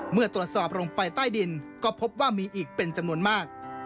เมื่อตรวจสอบลงไปใต้ดินก็พบว่ามีอีกเป็นจำนวนมาก